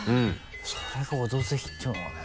それが「オドぜひ」っていうのがね。